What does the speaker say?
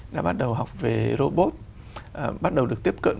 đã bắt đầu học về robot bắt đầu được tiếp cận